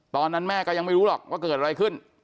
ตอนนั้นแม่ก็ยังไม่รู้หรอกว่าเกิดอะไรขึ้น